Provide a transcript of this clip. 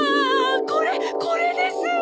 これこれです！